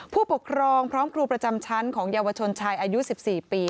ผู้ปกครองพร้อมครูประจำชั้นของเยาวชนชายอายุ๑๔ปี